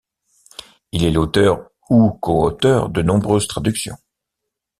Il est l'auteur ou coauteur de nombreuses traductions.